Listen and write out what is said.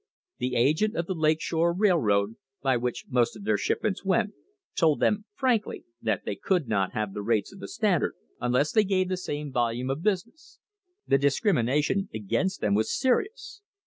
The agent of the Lake Shore Railroad, by which most of their shipments went, told them frankly that they could not have the rates of the Standard unless they gave the same vol ume of business. The discrimination against them was serious.